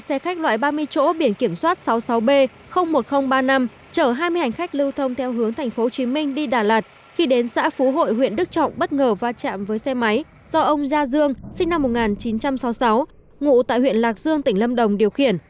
xe khách loại ba mươi chỗ biển kiểm soát sáu mươi sáu b một nghìn ba mươi năm chở hai mươi hành khách lưu thông theo hướng tp hcm đi đà lạt khi đến xã phú hội huyện đức trọng bất ngờ va chạm với xe máy do ông gia dương sinh năm một nghìn chín trăm sáu mươi sáu ngụ tại huyện lạc dương tỉnh lâm đồng điều khiển